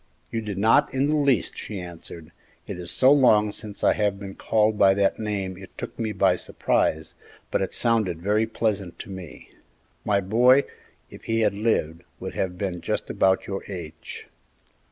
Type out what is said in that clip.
"You did not in the least," she answered; "it is so long since I have been called by that name it took me by surprise, but it sounded very pleasant to me. My boy, if he had lived, would have been just about your age."